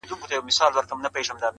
ستا د نوم له اخستلو مې زړه مات دی